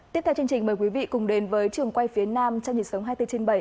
tiếp theo chương trình mời quý vị cùng đến với trường quay phía nam trong nhịp sống hai mươi bốn trên bảy